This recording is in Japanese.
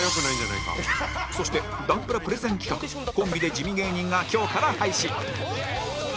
そして男ブラプレゼン企画コンビで地味芸人が今日から配信